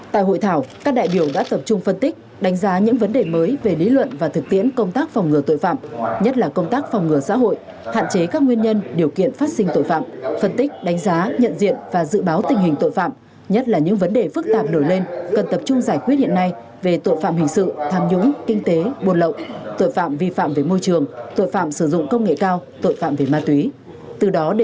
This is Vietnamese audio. tại hội thảo các đại biểu đã tập trung phân tích đánh giá những vấn đề mới về lý luận và thực tiễn công tác phòng ngừa tội phạm nhất là công tác phòng ngừa xã hội hạn chế các nguyên nhân điều kiện phát sinh tội phạm phân tích đánh giá nhận diện và dự báo tình hình tội phạm nhất là những vấn đề phức tạp nổi lên cần tập trung giải quyết hiện nay về tội phạm hình sự tham nhũng kinh tế buồn lộng tội phạm vi phạm về môi trường tội phạm sử dụng công nghệ cao tội phạm về ma túy từ đó đ